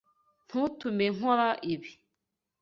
Ntuntume nkora ibi.